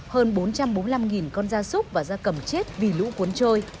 hơn bốn trăm bốn mươi năm con da súc và da cầm chết vì lũ cuốn trôi